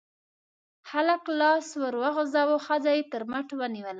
هلک لاس ور وغزاوه، ښځه يې تر مټ ونيوله.